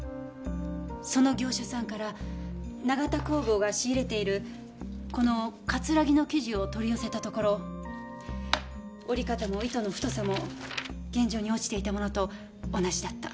その業者さんから永田工房が仕入れているこのカツラギの生地を取り寄せたところ織り方も糸の太さも現場に落ちていたものと同じだった。